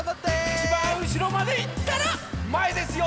いちばんうしろまでいったらまえですよ。